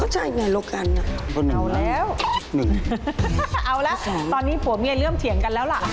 ข้อหนึ่งหนึ่งข้อสองเอาแล้วตอนนี้ผัวเมียเริ่มเถียงกันแล้วล่ะ